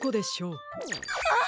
あっ！